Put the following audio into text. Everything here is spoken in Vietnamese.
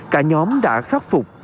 cả nhóm đã khắc phục